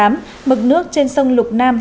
mực nước trên sông lục nam